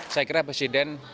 saya kira presiden